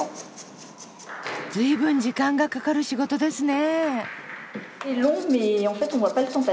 ずいぶん時間がかかる仕事ですねぇ。